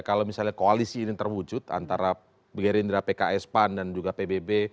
kalau misalnya koalisi ini terwujud antara gerindra pks pan dan juga pbb